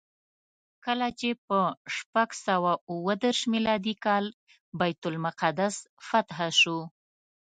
کله چې په شپږ سوه اوه دېرش میلادي کال بیت المقدس فتحه شو.